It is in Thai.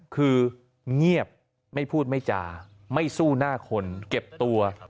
คือเงียบไม่พูดไม่จาไม่สู้หน้าคนเก็บตัว